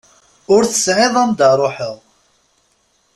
Ur tesɛiḍ anda ruḥeɣ.